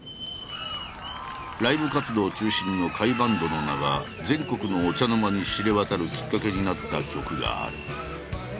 ライブ活動中心の甲斐バンドの名が全国のお茶の間に知れ渡るきっかけになった曲がある。